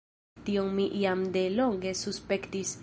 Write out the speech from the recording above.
Tion mi jam de longe suspektis.